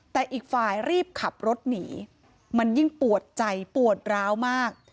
แต่อีกฝ่ายรีบขับรถหนีมันยิ่งปวดใจปวดร้าวมาก